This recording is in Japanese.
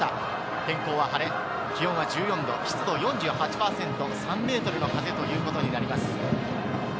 天候は晴れ、気温は１４度、湿度４８％、３メートルの風ということになります。